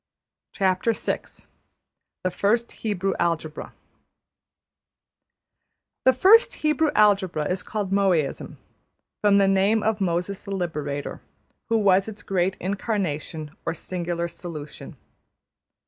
\chapter{The First Hebrew Algebra} The first Hebrew algebra is called Mosaism, from the name of Moses the Liberator, who was its great Incarnation, or Singular Solution.